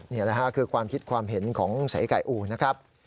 นี่แหละค่ะคือความคิดความเห็นของสายไก่อู่นะครับ